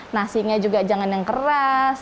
nasi nya juga jangan yang keras